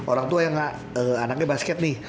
orang tua yang anaknya basket nih